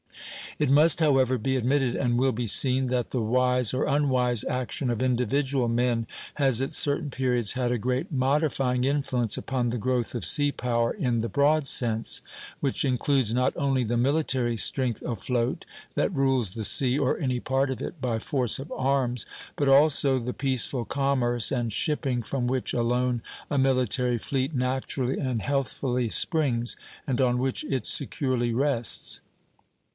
It must however be admitted, and will be seen, that the wise or unwise action of individual men has at certain periods had a great modifying influence upon the growth of sea power in the broad sense, which includes not only the military strength afloat, that rules the sea or any part of it by force of arms, but also the peaceful commerce and shipping from which alone a military fleet naturally and healthfully springs, and on which it securely rests.